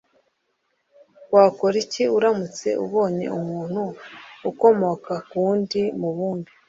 wakora iki uramutse ubonye umuntu ukomoka kuwundi mubumbe